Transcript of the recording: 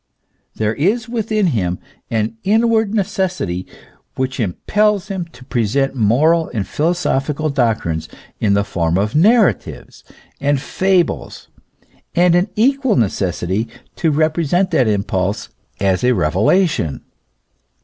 There is within him an inward necessity which impels him to present moral and philosophical doctrines in the form of narratives and fables, and an equal necessity to repre sent that impulse as a revelation.